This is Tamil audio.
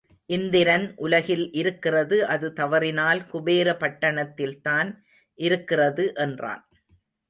இந்திரன் உலகில் இருக்கிறது அது தவறினால் குபேர பட்டணத்தில்தான் இருக்கிறது என்றான்.